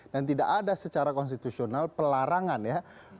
dan tidak ada secara konstitusional pelarangan ya